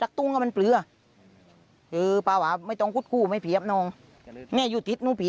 แค่นั้นคือหนึ่งปีก็พี่สุข